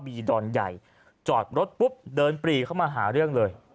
ดอนใหญ่จอดรถปุ๊บเดินปรีเข้ามาหาเรื่องเลย